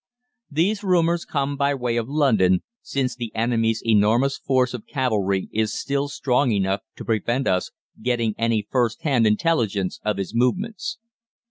These rumours come by way of London, since the enemy's enormous force of cavalry is still strong enough to prevent us getting any first hand intelligence of his movements.